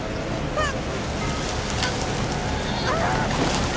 あっ！